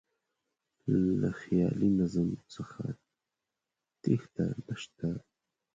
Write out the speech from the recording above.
له خیالي نظم څخه تېښته نه شته.